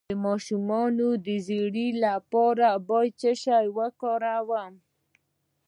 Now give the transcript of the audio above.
د ماشوم د ژیړي لپاره باید څه شی وکاروم؟